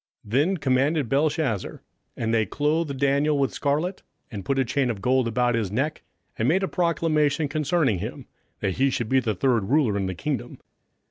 27:005:029 Then commanded Belshazzar, and they clothed Daniel with scarlet, and put a chain of gold about his neck, and made a proclamation concerning him, that he should be the third ruler in the kingdom.